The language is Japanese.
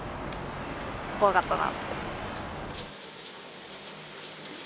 怖かったな。